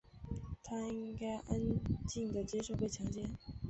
她应该安静地接受被强奸。